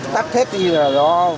tắt xếp thì nó